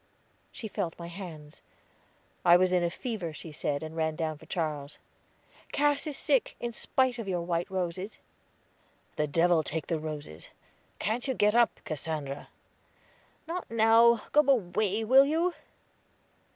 She felt my hands. I was in a fever, she said, and ran down for Charles. "Cass is sick, in spite of your white roses." "The devil take the roses. Can't you get up, Cassandra?" "Not now. Go away, will you?"